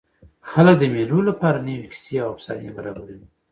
خلک د مېلو له پاره نوي کیسې او افسانې برابروي.